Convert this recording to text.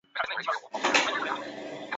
实行多党制。